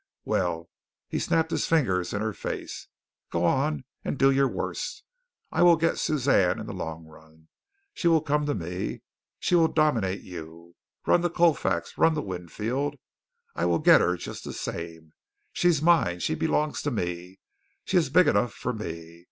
Well," he snapped his fingers in her face, "go on and do your worst. I will get Suzanne in the long run. She will come to me. She will dominate you. Run to Colfax! Run to Winfield! I will get her just the same. She's mine. She belongs to me. She is big enough for me.